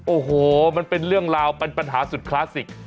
โอ้โหมันเป็นเรื่องราวเป็นปัญหาสุดคลาสสิก